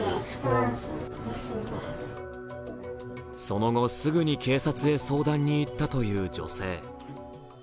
その後、すぐに警察へ相談に行ったという女性。